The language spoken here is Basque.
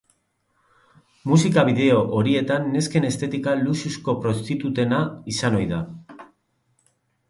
Musika bideo horietan nesken estetika luxuzko prostitutena izan ohi da.